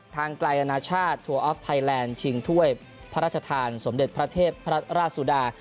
ทางไกลอนาชาติทัวร์ออฟไทยแลนด์ชิงถ้วยพระราชทานสมเด็จพระเทพราชสุดา